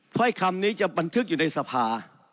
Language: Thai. เพราะไอ้คำนี้จะบันทึกอยู่ในสภา